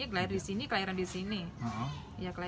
sejak bayi disini kelahiran disini kelahiran disini